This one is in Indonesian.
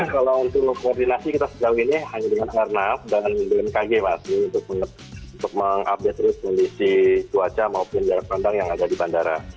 kalau untuk koordinasi kita sejauh ini hanya dengan airnav dan bmkg mas untuk mengupdate terus kondisi cuaca maupun jarak pandang yang ada di bandara